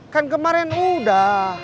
kan kemarin udah